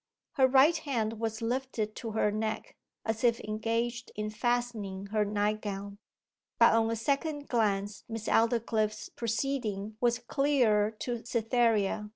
Her right hand was lifted to her neck, as if engaged in fastening her night gown. But on a second glance Miss Aldclyffe's proceeding was clearer to Cytherea.